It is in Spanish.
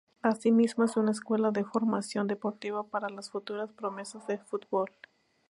Así mismo, es una escuela de formación deportiva para las futuras promesas del fútbol.